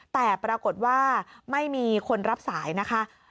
แต่ปรากฏว่าไม่มีคนรับสายนะคะ